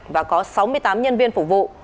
và có sáu mươi tám nhân viên phục vụ